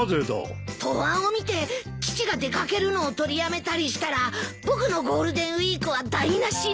答案を見て父が出掛けるのを取りやめたりしたら僕のゴールデンウィークは台無しに。